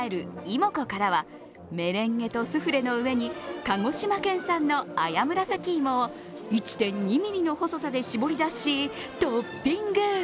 もこからはメレンゲとスフレの上に鹿児島県産の綾紫を１．２ｍｍの細さで絞りだしトッピング。